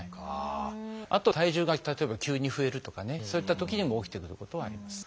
あと体重が例えば急に増えるとかねそういったときにも起きてくることはあります。